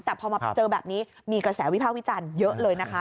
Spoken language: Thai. แต่พอมาเจอแบบนี้มีกระแสวิภาควิจารณ์เยอะเลยนะคะ